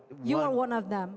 kamu salah satu dari mereka